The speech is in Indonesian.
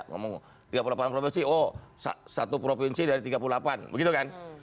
ngomong tiga puluh delapan provinsi oh satu provinsi dari tiga puluh delapan begitu kan